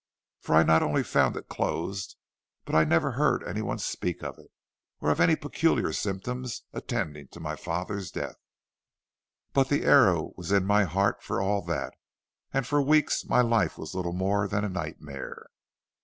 For I not only found it closed, but I never heard any one speak of it, or of any peculiar symptoms attending my father's death. "But the arrow was in my heart for all that, and for weeks my life was little more than a nightmare.